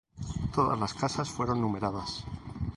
Todas las casas fueron numeradas.